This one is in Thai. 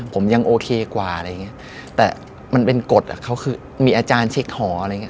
ผมยังโอเคกว่าอะไรอย่างเงี้ยแต่มันเป็นกฎอ่ะเขาคือมีอาจารย์เช็คหออะไรอย่างเง